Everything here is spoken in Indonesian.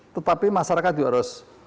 tetapi masyarakat juga harus